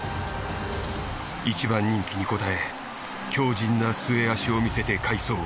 一番人気に応え強じんな末脚を見せて快走。